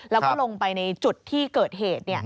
แล้วก็ลงไปในจุดที่เกิดเหตุ